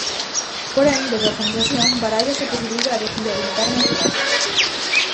Porén, desde a organización barállase a posibilidade de habilitar máis prazas.